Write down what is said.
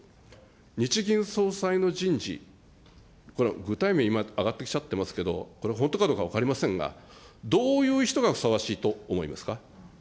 日銀総裁の人事、これ、具体名、今、挙がってきちゃってますけど、これ、本当かどうか分かりませんが、どういう人がふさわしいと思いますか。